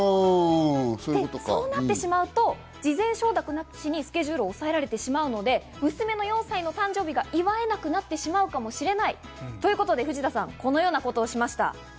そうなってしまうと事前承諾なしにスケジュールを押さえられてしまうので、娘の４歳の誕生日が祝えなくなってしまうかもしれないということで藤田さん、このようなことをしました。